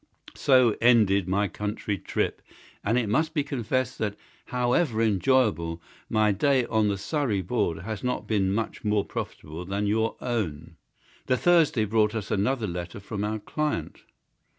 So ended my country trip, and it must be confessed that, however enjoyable, my day on the Surrey border has not been much more profitable than your own." The Thursday brought us another letter from our client.